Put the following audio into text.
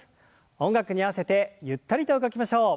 音楽に合わせてゆったりと動きましょう。